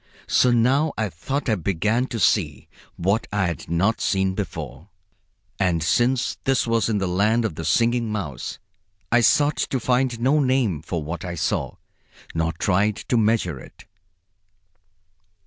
So now I thought I began to see what I had not seen before. And since this was in the land of the Singing Mouse, I sought to find no name for what I saw, nor tried to measure it.